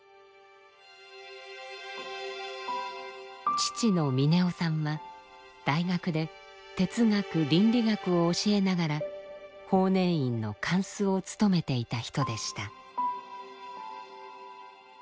父の峰雄さんは大学で哲学倫理学を教えながら法然院の貫主をつとめていた人でした。